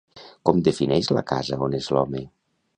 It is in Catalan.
Com defineix la casa on és l'home?